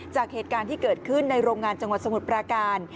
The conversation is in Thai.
จากเหตุการณ์ที่เกิดขึ้นในโรงงานจังหวัดสมุทรปราการ